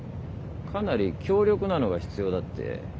かなり強力なのが必要だって。